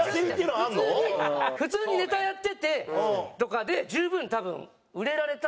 普通にネタをやっててとかで十分多分売れられただろうに。